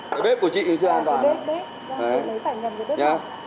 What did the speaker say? cái bếp của chị cũng chưa an toàn